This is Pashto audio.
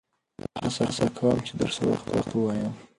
زه هڅه کوم، چي درسونه پر وخت ووایم.